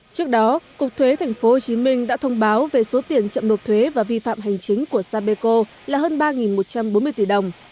trước đó cục thuế tp hcm đã thông báo về số tiền chậm nộp thuế và vi phạm hành chính của sapeco là hơn ba một trăm bốn mươi tỷ đồng